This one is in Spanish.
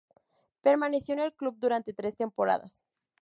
Permaneció en el club durante tres temporadas.